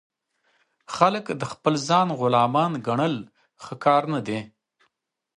خلک د خپل ځان غلامان ګڼل ښه کار نه دئ.